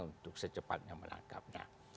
untuk secepatnya menangkapnya